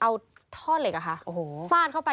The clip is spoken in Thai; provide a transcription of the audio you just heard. เอาท่อเหล็กค่ะฟ่านเข้าไป